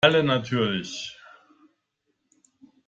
Alle natürlich.